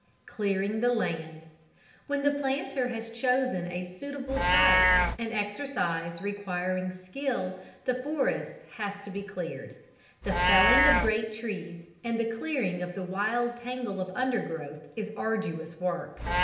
Clearing the Land. When the planter has chosen a suitable site, an exercise requiring skill, the forest has to be cleared. The felling of great trees and the clearing of the wild tangle of undergrowth is arduous work.